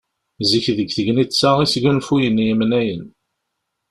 Zik deg tegnit-a i sgunfuyen yemnayen.